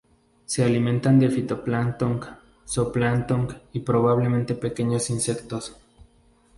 Se alimentan de fitoplancton, zooplancton y probablemente pequeños insectos.